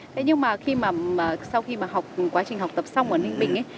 thế nhưng mà sau khi mà học quá trình học tập xong ở linh bình ấy